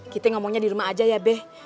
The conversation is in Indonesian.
kita ngomongnya di rumah aja ya be